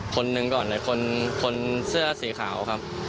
คนหนึ่งก่อนเลยคนเสื้อสีขาวครับ